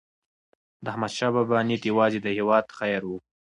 داحمدشاه بابا نیت یوازې د هیواد خیر و.